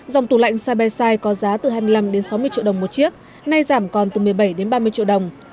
dòng tủ lạnh sabe sai có giá từ hai mươi năm sáu mươi triệu đồng một chiếc nay giảm còn từ một mươi bảy đến ba mươi triệu đồng